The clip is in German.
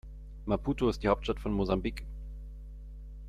Maputo ist die Hauptstadt von Mosambik.